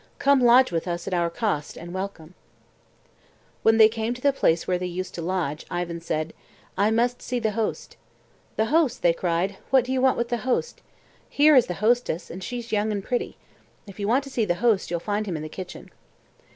Come lodge with us at our cost, and welcome." When they came to the place where they used to lodge, Ivan said, "I must see the host." "The host," they cried; "what do you want with the host? Here is the hostess, and she's young and pretty. If you want to see the host you'll find him in the kitchen."